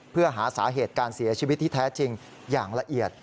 เพื่อหาสาเหตุการเสียชีวิตที่แท้จริงอย่างละเอียด